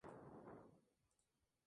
Aunque Jiang "et al.